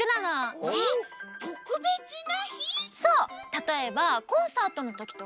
たとえばコンサートのときとか。